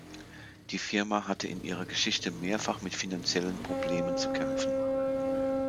Die Firma hatte in ihrer Geschichte mehrfach mit finanziellen Problemen zu kämpfen.